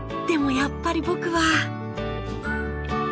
でもやっぱり僕は。